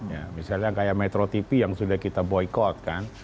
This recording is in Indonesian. ya misalnya kayak metro tv yang sudah kita boykot kan